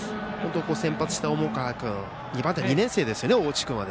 先発した重川君まだ２年生ですね、大内君も。